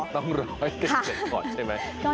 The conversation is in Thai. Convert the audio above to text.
ต้องรอให้กันเสร็จก่อนใช่ไหม